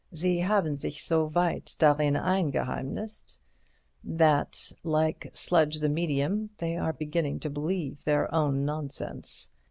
'Sie haben sich so weit darin eingeheimnisst' that, like Sludge the Medium, they are beginning to believe their own nonsense.